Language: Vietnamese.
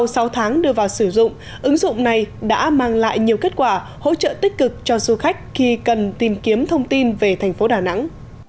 sau sáu tháng đưa vào sử dụng ứng dụng này đã mang lại nhiều kết quả hỗ trợ tích cực cho du khách khi cần tìm kiếm thông tin về thành phố đà nẵng